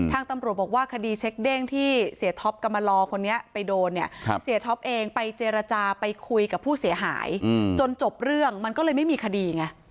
ตำรวจบอกว่าคดีเช็คเด้งที่เสียท็อปกรรมลอคนนี้ไปโดนเนี่ยเสียท็อปเองไปเจรจาไปคุยกับผู้เสียหายจนจบเรื่องมันก็เลยไม่มีคดีไง